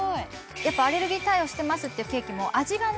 やっぱアレルギー対応してますっていうケーキも。